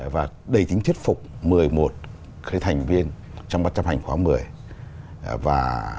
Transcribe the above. và đầy tính thiết phục một mươi một thành viên trong ban chấp hành khóa một mươi